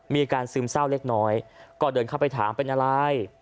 ซึมเศร้าเล็กน้อยก็เดินเข้าไปถามเป็นอะไร